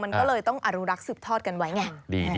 มันก็เลยต้องอนุรักษ์สืบทอดกันไว้ไง